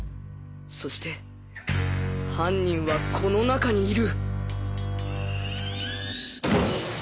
そして犯人はこの中にいる